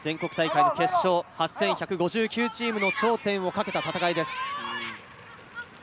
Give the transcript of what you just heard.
全国大会の決勝、８１５９チームの頂点をかけた戦いです。